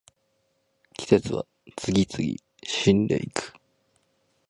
季節は次々死んでいく